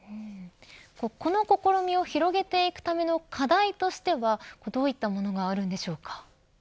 この試みを広げていくための課題としてはどういったものがあるんでしょうか。